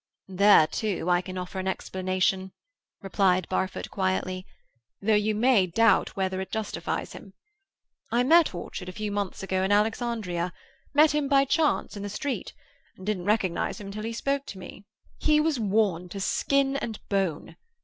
"There, too, I can offer an explanation," replied Barfoot quietly, "though you may doubt whether it justifies him. I met Orchard a few months ago in Alexandria, met him by chance in the street, and didn't recognize him until he spoke to me. He was worn to skin and bone.